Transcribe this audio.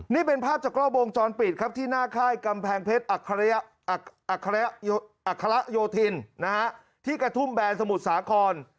นี่เป็นภาพจากกล้อวงจรปิดครับที่หน้าค่ายกำแพงเพชรอัคระโยธินที่กระทุ่มแบนสมุทรสาคร